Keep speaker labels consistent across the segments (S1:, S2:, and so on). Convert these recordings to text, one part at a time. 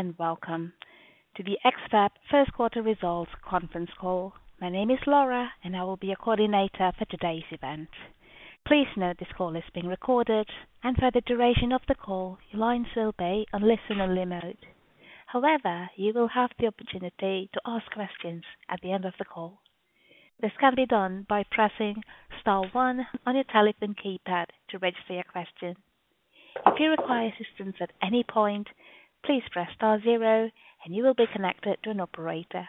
S1: Hello and welcome to the X-FAB first quarter results conference call. My name is Laura, and I will be your coordinator for today's event. Please note this call is being recorded, and for the duration of the call, your lines will be on listen-only mode. However, you will have the opportunity to ask questions at the end of the call. This can be done by pressing *1 on your telephone keypad to register your question. If you require assistance at any point, please press star zero, and you will be connected to an operator.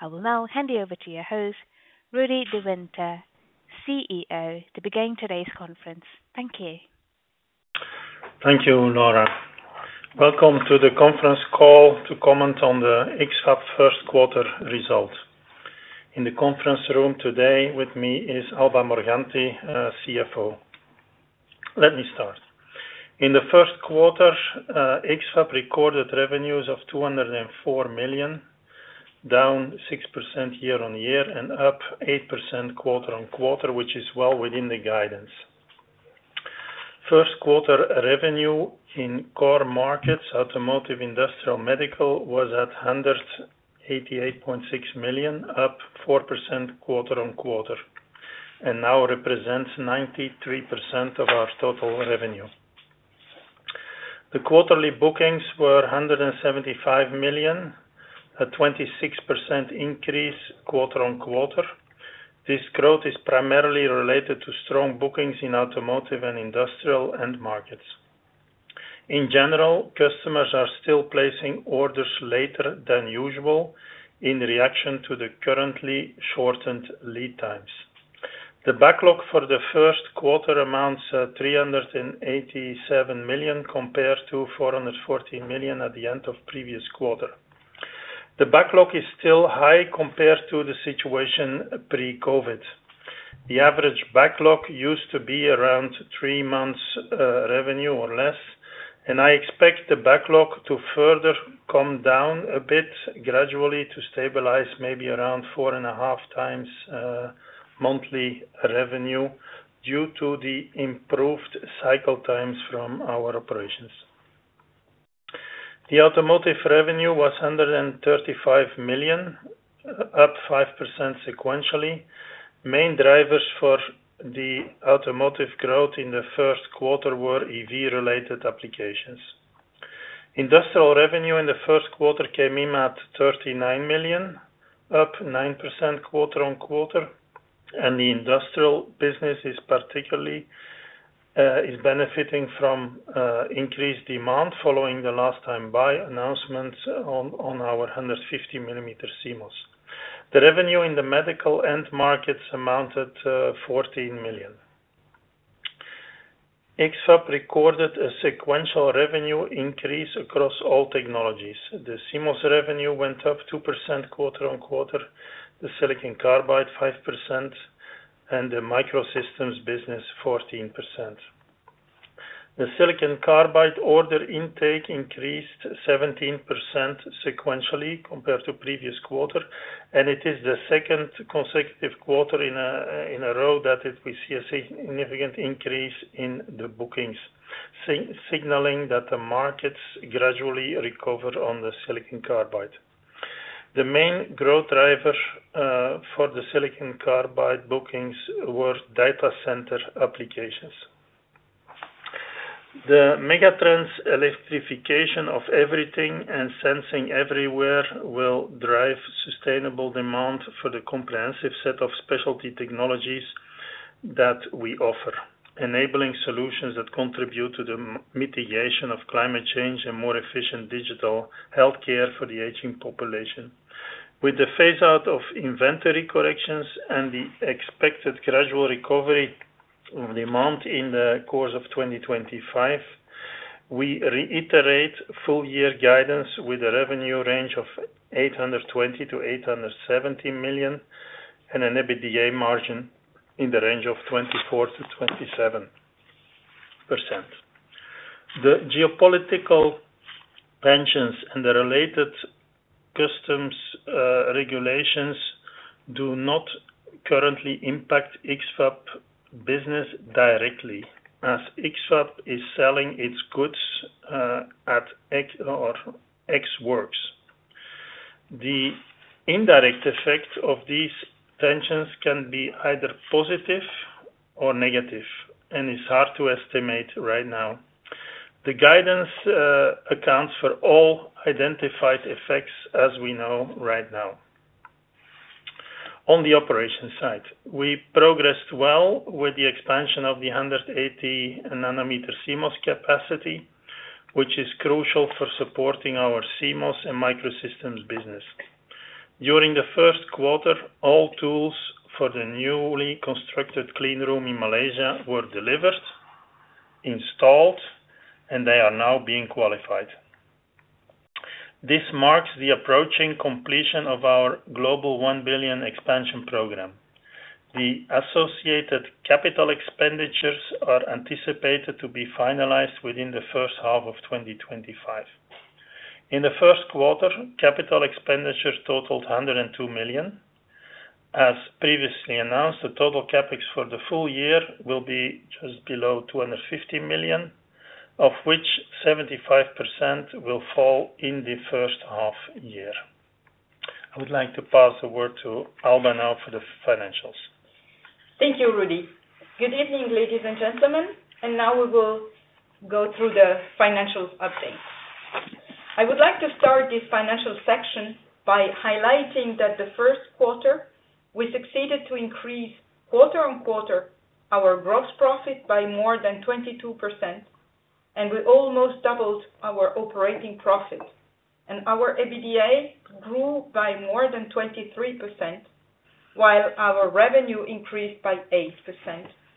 S1: I will now hand you over to your host, Rudi De Winter, CEO, to begin today's conference. Thank you.
S2: Thank you, Laura. Welcome to the conference call to comment on the X-FAB first quarter results. In the conference room today with me is Alba Morganti, CFO. Let me start. In the first quarter, X-FAB recorded revenues of $204 million, down 6% year on year and up 8% quarter on quarter, which is well within the guidance. First quarter revenue in core markets, automotive, industrial, medical, was at $188.6 million, up 4% quarter on quarter, and now represents 93% of our total revenue. The quarterly bookings were $175 million, a 26% increase quarter on quarter. This growth is primarily related to strong bookings in automotive and industrial end markets. In general, customers are still placing orders later than usual in reaction to the currently shortened lead times. The backlog for the first quarter amounts at $387 million compared to $414 million at the end of the previous quarter. The backlog is still high compared to the situation pre-COVID. The average backlog used to be around three months' revenue or less, and I expect the backlog to further come down a bit gradually to stabilize maybe around four and a half times monthly revenue due to the improved cycle times from our operations. The automotive revenue was $ 135 million, up 5% sequentially. Main drivers for the automotive growth in the first quarter were EV-related applications. Industrial revenue in the first quarter came in at $ 39 million, up 9% quarter on quarter, and the industrial business is benefiting from increased demand following the announcements on our 150 mm CMOS. The revenue in the medical end markets amounted to $ 14 million. X-FAB recorded a sequential revenue increase across all technologies. The CMOS revenue went up 2% quarter on quarter, the silicon carbide 5%, and the microsystems business 14%. The silicon carbide order intake increased 17% sequentially compared to the previous quarter, and it is the second consecutive quarter in a row that we see a significant increase in the bookings, signaling that the markets gradually recovered on the silicon carbide. The main growth driver for the silicon carbide bookings was data center applications. The megatrends electrification of everything and sensing everywhere will drive sustainable demand for the comprehensive set of specialty technologies that we offer, enabling solutions that contribute to the mitigation of climate change and more efficient digital healthcare for the aging population. With the phase-out of inventory corrections and the expected gradual recovery of demand in the course of 2025, we reiterate full-year guidance with a revenue range of $820 million-$870 million and an EBITDA margin in the range of 24%-27%. The geopolitical tensions and the related customs regulations do not currently impact X-FAB business directly, as X-FAB is selling its goods at X or X-Works. The indirect effect of these tensions can be either positive or negative, and it's hard to estimate right now. The guidance accounts for all identified effects as we know right now. On the operations side, we progressed well with the expansion of the 180-nanometer CMOS capacity, which is crucial for supporting our CMOS and microsystems business. During the first quarter, all tools for the newly constructed clean room in Malaysia were delivered, installed, and they are now being qualified. This marks the approaching completion of our global 1 billion expansion program. The associated capital expenditures are anticipated to be finalized within the first half of 2025. In the first quarter, capital expenditures totaled 102 million. As previously announced, the total CapEx for the full year will be just below 250 million, of which 75% will fall in the first half year. I would like to pass the word to Alba now for the financials.
S3: Thank you, Rudi. Good evening, ladies and gentlemen. Now we will go through the financial update. I would like to start this financial section by highlighting that the first quarter, we succeeded to increase quarter on quarter our gross profit by more than 22%, and we almost doubled our operating profit. Our EBITDA grew by more than 23%, while our revenue increased by 8%,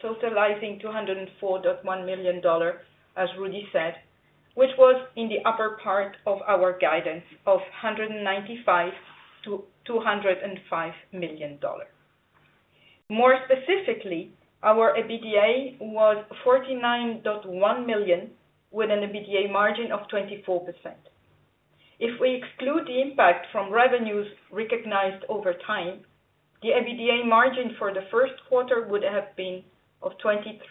S3: totalizing $204.1 million, as Rudi said, which was in the upper part of our guidance of $195-$205 million. More specifically, our EBITDA was $49.1 million with an EBITDA margin of 24%. If we exclude the impact from revenues recognized over time, the EBITDA margin for the first quarter would have been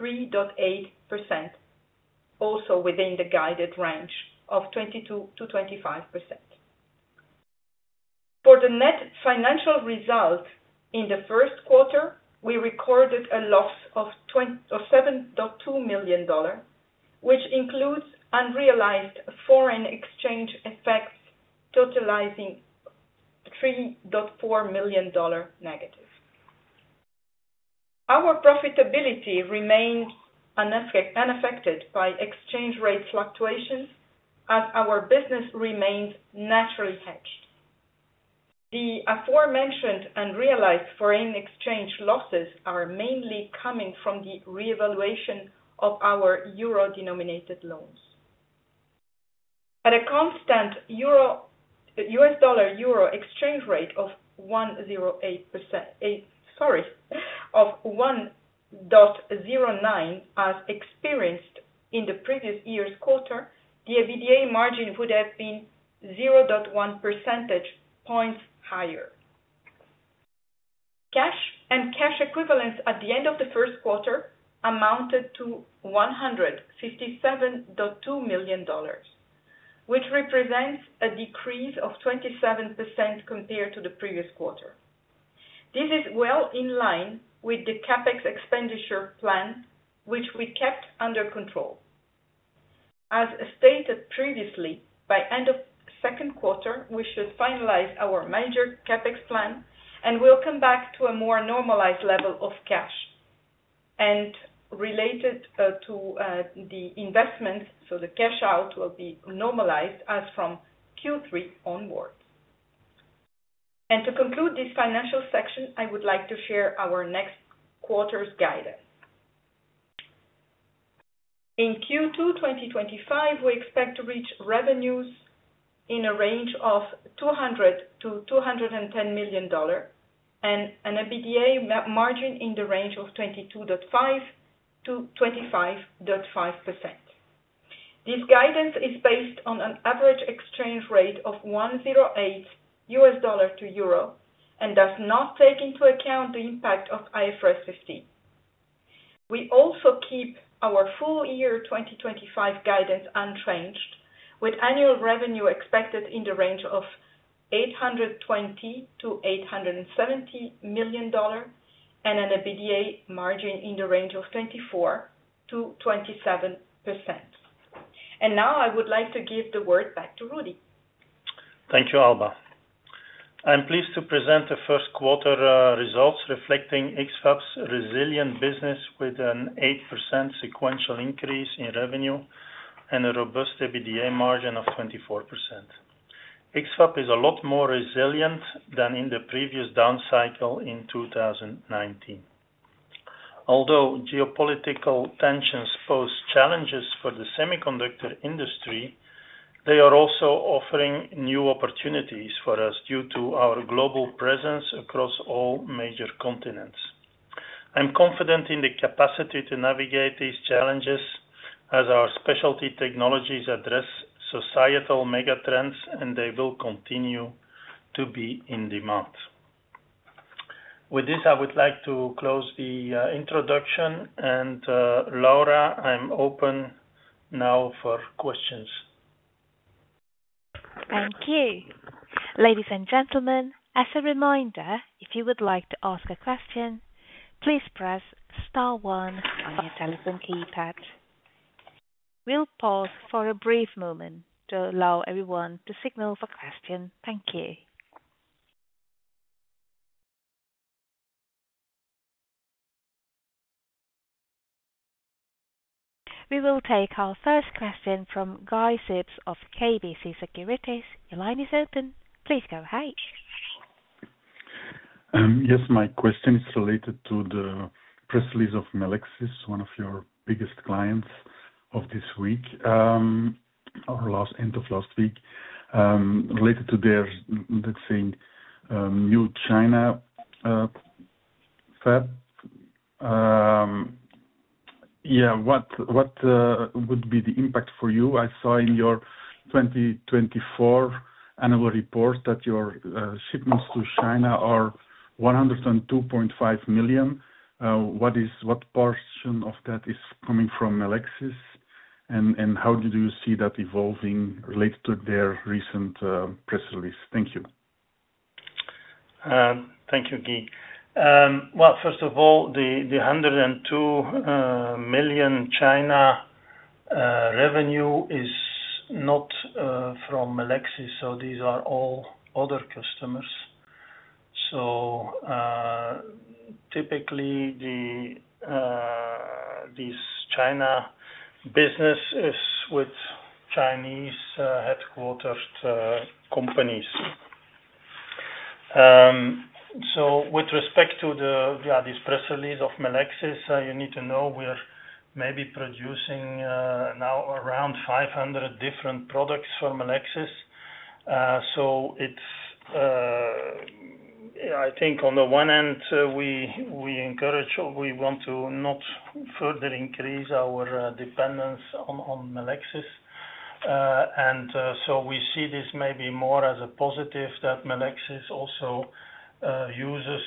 S3: 23.8%, also within the guided range of 22-25%. For the net financial result in the first quarter, we recorded a loss of $7.2 million, which includes unrealized foreign exchange effects totalizing $3.4 million negative. Our profitability remained unaffected by exchange rate fluctuations, as our business remains naturally hedged. The aforementioned unrealized foreign exchange losses are mainly coming from the reevaluation of our euro-denominated loans. At a constant US dollar-euro exchange rate of 1.08, sorry, of 1.09 as experienced in the previous year's quarter, the EBITDA margin would have been 0.1 percentage points higher. Cash and cash equivalents at the end of the first quarter amounted to $157.2 million, which represents a decrease of 27% compared to the previous quarter. This is well in line with the capex expenditure plan, which we kept under control. As stated previously, by the end of the second quarter, we should finalize our major capex plan, and we'll come back to a more normalized level of cash and related to the investments, so the cash out will be normalized as from Q3 onwards. To conclude this financial section, I would like to share our next quarter's guidance. In Q2 2025, we expect to reach revenues in a range of $200-$210 million and an EBITDA margin in the range of 22.5%-25.5%. This guidance is based on an average exchange rate of 1.08 US dollar to euro and does not take into account the impact of IFRS 15. We also keep our full-year 2025 guidance unchanged, with annual revenue expected in the range of $820-$870 million and an EBITDA margin in the range of 24%-27%. I would like to give the word back to Rudi.
S2: Thank you, Alba. I'm pleased to present the first quarter results reflecting X-FAB's resilient business with an 8% sequential increase in revenue and a robust EBITDA margin of 24%. X-FAB is a lot more resilient than in the previous down cycle in 2019. Although geopolitical tensions pose challenges for the semiconductor industry, they are also offering new opportunities for us due to our global presence across all major continents. I'm confident in the capacity to navigate these challenges as our specialty technologies address societal megatrends, and they will continue to be in demand. With this, I would like to close the introduction, and Laura, I'm open now for questions.
S1: Thank you. Ladies and gentlemen, as a reminder, if you would like to ask a question, please press *1 on your telephone keypad. We will pause for a brief moment to allow everyone to signal for questions. Thank you. We will take our first question from Guy Sips of KBC Securities. Your line is open. Please go ahead.
S4: Yes, my question is related to the press release of Melexis, one of your biggest clients of this week, or end of last week, related to their, let's say, new China fab. Yeah, what would be the impact for you? I saw in your 2024 annual report that your shipments to China are 102.5 million. What portion of that is coming from Melexis, and how do you see that evolving related to their recent press release? Thank you.
S2: Thank you, Guy. First of all, the 102 million China revenue is not from Melexis, so these are all other customers. Typically, this China business is with Chinese-headquartered companies. With respect to this press release of Melexis, you need to know we're maybe producing now around 500 different products for Melexis. I think on the one end, we encourage or we want to not further increase our dependence on Melexis. We see this maybe more as a positive that Melexis also uses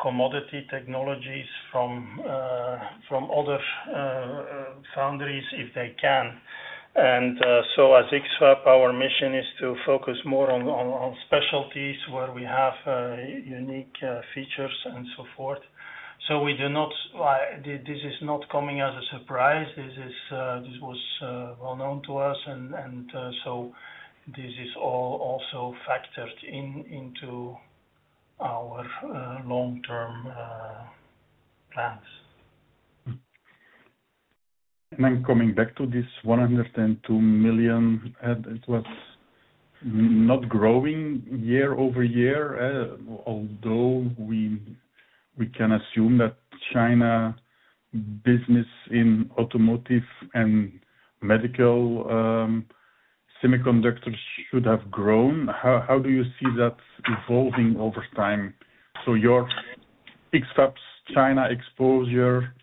S2: commodity technologies from other foundries if they can. As X-FAB, our mission is to focus more on specialties where we have unique features and so forth. This is not coming as a surprise. This was well known to us, and this is all also factored into our long-term plans.
S4: Coming back to this 102 million, it was not growing year over year, although we can assume that China business in automotive and medical semiconductors should have grown. How do you see that evolving over time? Your X-FAB China exposure,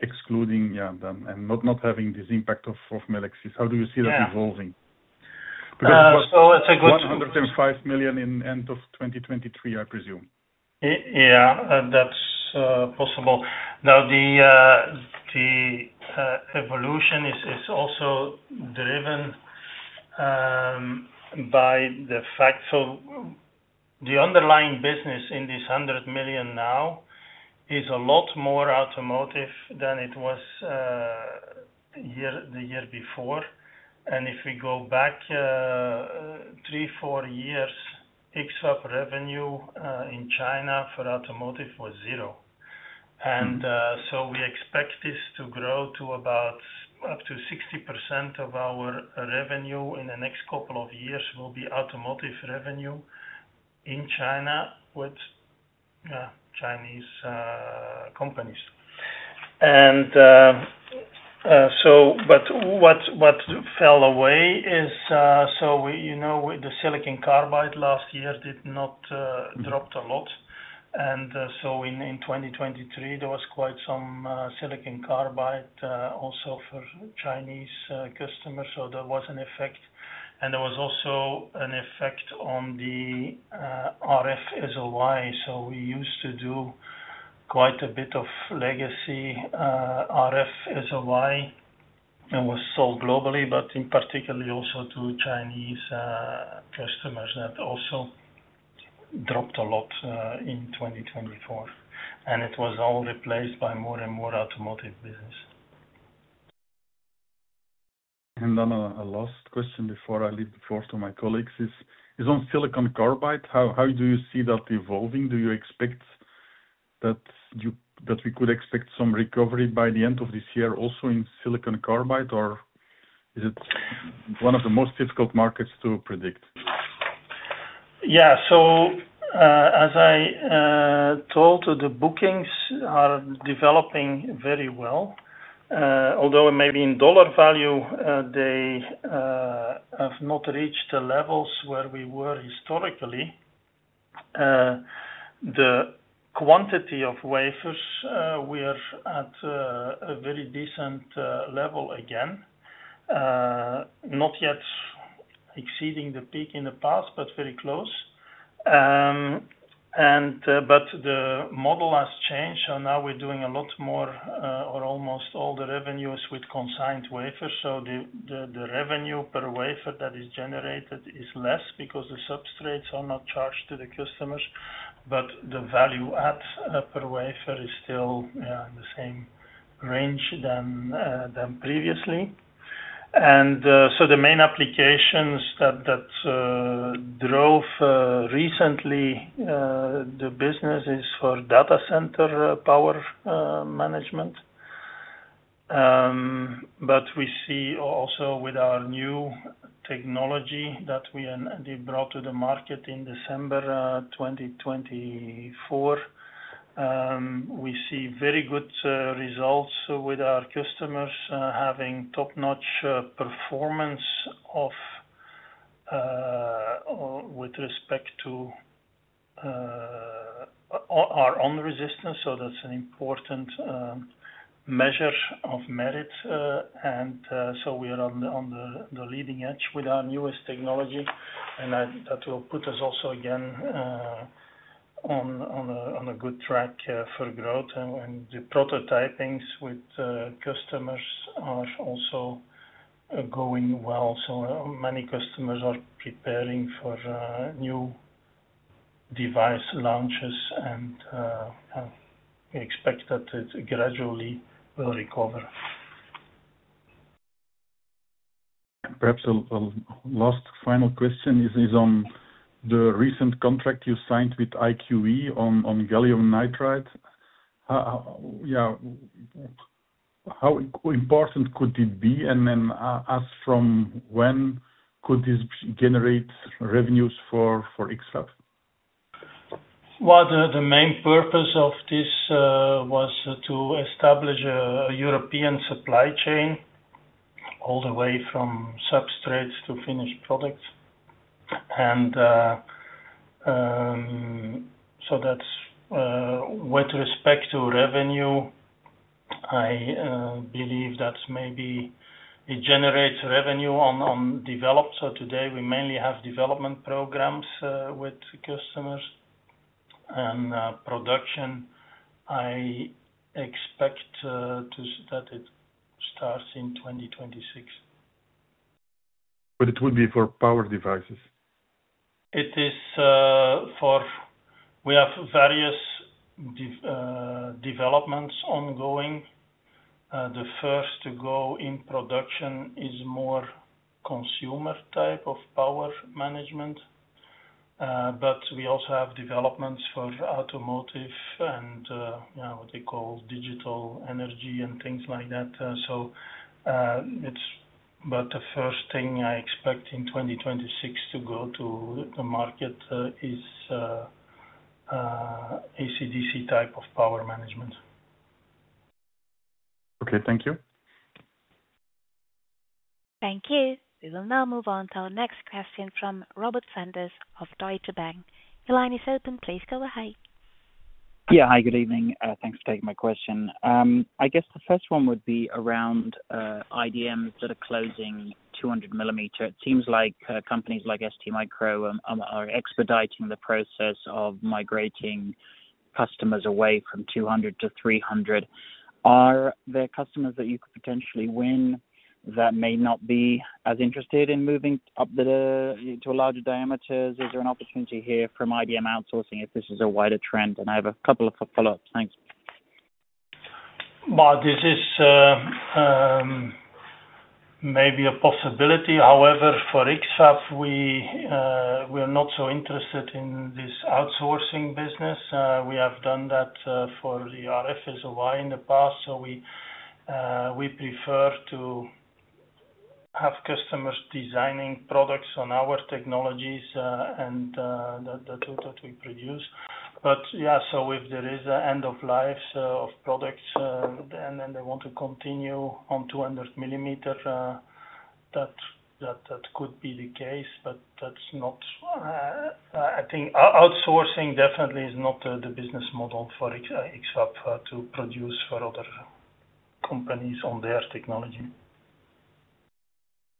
S4: excluding, yeah, and not having this impact of Melexis, how do you see that evolving?
S2: It's a good.
S4: 105 million in the end of 2023, I presume.
S2: Yeah, that's possible. Now, the evolution is also driven by the fact. The underlying business in this 100 million now is a lot more automotive than it was the year before. If we go back three, four years, X-FAB revenue in China for automotive was zero. We expect this to grow to about up to 60% of our revenue in the next couple of years will be automotive revenue in China with Chinese companies. What fell away is, you know, the silicon carbide last year did not drop a lot. In 2023, there was quite some silicon carbide also for Chinese customers. There was an effect, and there was also an effect on the RF SOI. We used to do quite a bit of legacy RF SOI that was sold globally, but in particular also to Chinese customers. That also dropped a lot in 2024. It was all replaced by more and more automotive business.
S4: A last question before I leave the floor to my colleagues is on silicon carbide. How do you see that evolving? Do you expect that we could expect some recovery by the end of this year also in silicon carbide, or is it one of the most difficult markets to predict?
S2: Yeah, as I told you, the bookings are developing very well. Although maybe in dollar value, they have not reached the levels where we were historically. The quantity of wafers, we are at a very decent level again, not yet exceeding the peak in the past, but very close. The model has changed, so now we're doing a lot more, or almost all the revenues with consigned wafers. The revenue per wafer that is generated is less because the substrates are not charged to the customers, but the value add per wafer is still in the same range than previously. The main applications that drove recently the business is for data center power management. We see also with our new technology that we brought to the market in December 2024, we see very good results with our customers having top-notch performance with respect to our own resistance. That is an important measure of merit. We are on the leading edge with our newest technology, and that will put us also again on a good track for growth. The prototypings with customers are also going well. Many customers are preparing for new device launches, and we expect that it gradually will recover.
S4: Perhaps the last final question is on the recent contract you signed with IQE on gallium nitride. Yeah, how important could it be? As from when could this generate revenues for X-FAB?
S2: The main purpose of this was to establish a European supply chain all the way from substrates to finished products. That is with respect to revenue. I believe that maybe it generates revenue on developed. Today, we mainly have development programs with customers and production. I expect that it starts in 2026.
S4: It would be for power devices?
S2: It is for we have various developments ongoing. The first to go in production is more consumer type of power management. We also have developments for automotive and what they call digital energy and things like that. It is about the first thing I expect in 2026 to go to the market is AC/DC type of power management.
S4: Okay, thank you.
S1: Thank you. We will now move on to our next question from Robert Sanders of Deutsche Bank. Your line is open. Please go ahead.
S5: Yeah, hi, good evening. Thanks for taking my question. I guess the first one would be around IDMs that are closing 200 millimeter. It seems like companies like STMicro are expediting the process of migrating customers away from 200 to 300. Are there customers that you could potentially win that may not be as interested in moving up to larger diameters? Is there an opportunity here from IDM outsourcing if this is a wider trend? I have a couple of follow-ups. Thanks.
S2: This is maybe a possibility. However, for X-FAB, we are not so interested in this outsourcing business. We have done that for the RF SOI in the past. We prefer to have customers designing products on our technologies and that we produce. If there is an end of life of products and then they want to continue on 200 mm, that could be the case. Outsourcing definitely is not the business model for X-FAB to produce for other companies on their technology.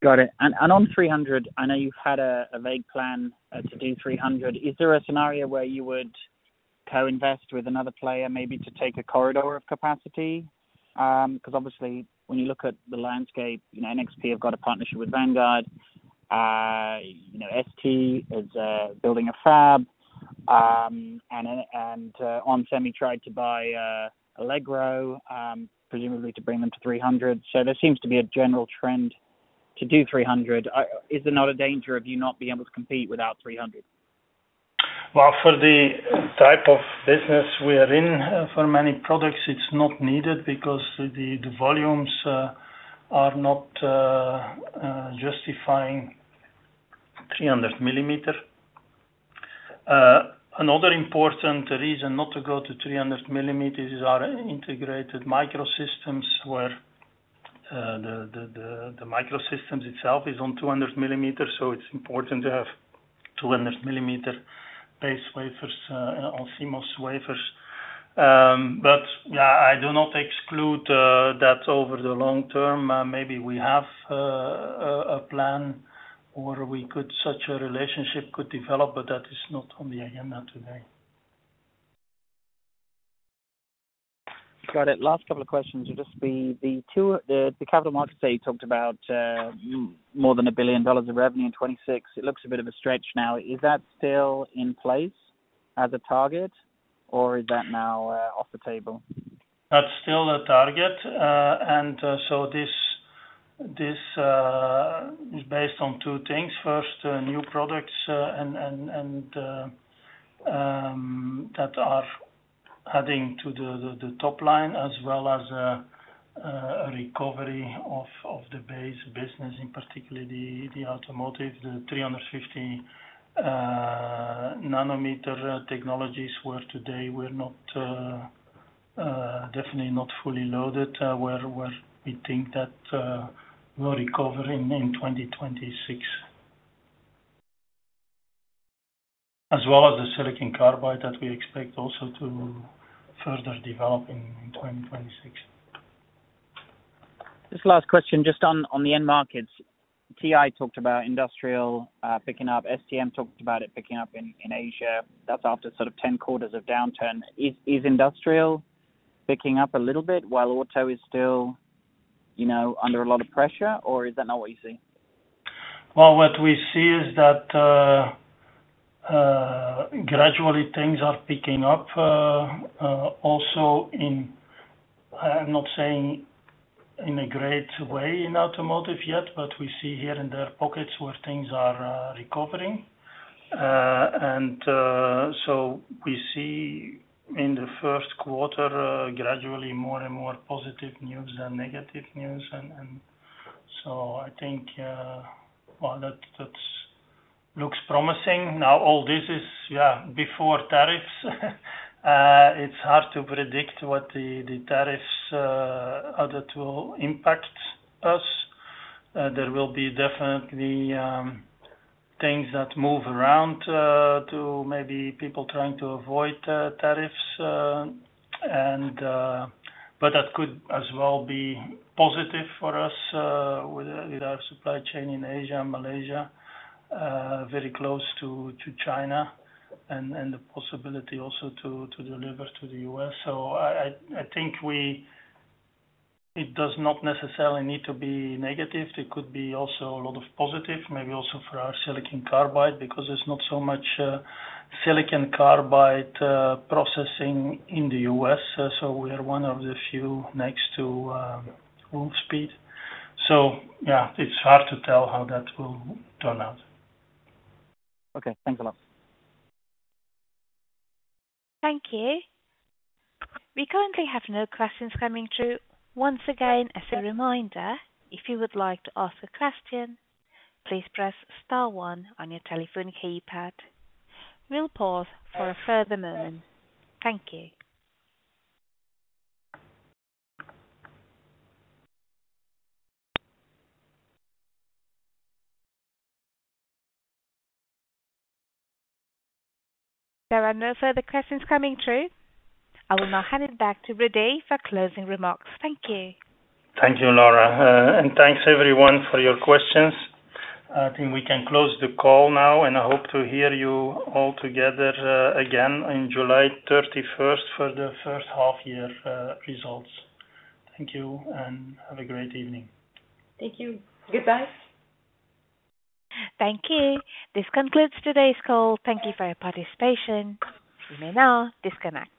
S5: Got it. On 300, I know you've had a vague plan to do 300. Is there a scenario where you would co-invest with another player maybe to take a corridor of capacity? Because obviously, when you look at the landscape, NXP have got a partnership with Vanguard. ST is building a fab, and onsemi tried to buy Allegro, presumably to bring them to 300. There seems to be a general trend to do 300. Is there not a danger of you not being able to compete without 300?
S2: For the type of business we are in, for many products, it's not needed because the volumes are not justifying 300 millimeter. Another important reason not to go to 300 millimeters is our integrated microsystems where the microsystems itself is on 200 millimeters. So it's important to have 200 millimeter base wafers on CMOS wafers. Yeah, I do not exclude that over the long term. Maybe we have a plan where such a relationship could develop, but that is not on the agenda today.
S5: Got it. Last couple of questions would just be the capital markets that you talked about, more than $1 billion of revenue in 2026. It looks a bit of a stretch now. Is that still in place as a target, or is that now off the table?
S2: That's still a target. This is based on two things. First, new products that are adding to the top line as well as a recovery of the base business, in particular the automotive, the 350-nanometer technologies where today we're definitely not fully loaded, where we think that we'll recover in 2026, as well as the silicon carbide that we expect also to further develop in 2026.
S5: Just last question, just on the end markets. TI talked about industrial picking up. STM talked about it picking up in Asia. That is after sort of 10 quarters of downturn. Is industrial picking up a little bit while auto is still under a lot of pressure, or is that not what you see?
S2: What we see is that gradually things are picking up also in, I'm not saying in a great way in automotive yet, but we see here and there pockets where things are recovering. We see in the first quarter gradually more and more positive news than negative news. I think that looks promising. All this is, yeah, before tariffs. It's hard to predict what the tariffs are that will impact us. There will definitely be things that move around to maybe people trying to avoid tariffs. That could as well be positive for us with our supply chain in Asia and Malaysia, very close to China, and the possibility also to deliver to the US. I think it does not necessarily need to be negative. There could be also a lot of positive, maybe also for our silicon carbide because there's not so much silicon carbide processing in the U.S. We are one of the few next to Wolfspeed. Yeah, it's hard to tell how that will turn out.
S5: Okay, thanks a lot.
S1: Thank you. We currently have no questions coming through. Once again, as a reminder, if you would like to ask a question, please press *1 on your telephone keypad. We will pause for a further moment. Thank you. There are no further questions coming through. I will now hand it back to Rudi for closing remarks. Thank you.
S2: Thank you, Laura. Thank you everyone for your questions. I think we can close the call now, and I hope to hear you all together again on July 31 for the first half-year results. Thank you, and have a great evening.
S3: Thank you. Goodbye.
S1: Thank you. This concludes today's call. Thank you for your participation. You may now disconnect.